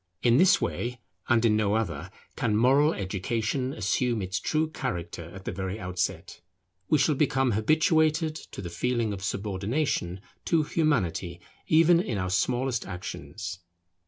In this way and in no other, can moral education assume its true character at the very outset. We shall become habituated to the feeling of subordination to Humanity, even in our smallest actions.